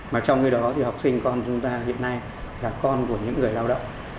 mà trong khi đó thì học sinh con chúng ta hiện nay là con của những người lao động